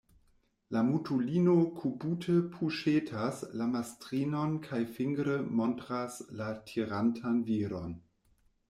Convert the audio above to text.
La mutulino kubute puŝetas la mastrinon kaj fingre montras la tirantan viron.